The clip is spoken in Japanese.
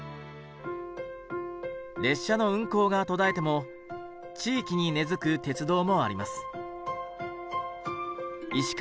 列車の運行が途絶えても地域に根づく鉄道もあります。